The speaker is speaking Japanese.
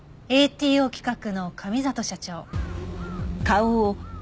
ＡＴＯ企画の上里社長。